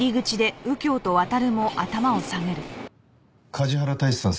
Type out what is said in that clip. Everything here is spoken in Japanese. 梶原太一さん